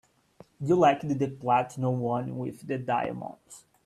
You liked the platinum one with the diamonds.